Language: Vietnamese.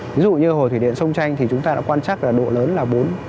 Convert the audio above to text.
ví dụ như hồ thủy điện sông chanh thì chúng ta đã quan trắc là độ lớn là bốn